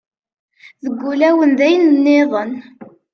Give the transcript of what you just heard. Deg ulawen d ayen nniḍen.